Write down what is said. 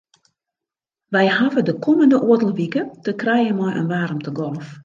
Wy hawwe de kommende oardel wike te krijen mei in waarmtegolf.